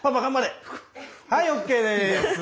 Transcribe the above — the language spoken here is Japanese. はいＯＫです！